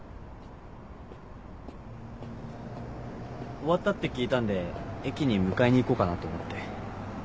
終わったって聞いたんで駅に迎えに行こうかなと思って。